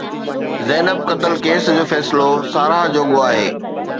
زينب قتل ڪيس جو فيصلو ساراهه جوڳو آهي.